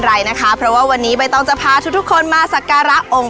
อะไรนะคะเพราะว่าวันนี้ใบตองจะพาทุกทุกคนมาสักการะองค์